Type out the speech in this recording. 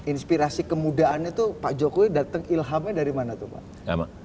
inspirasi kemudaannya tuh pak jokowi datang ilhamnya dari mana tuh pak